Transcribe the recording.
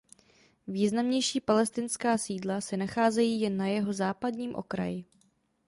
Významnější palestinská sídla se nacházejí jen na jeho západním okraji.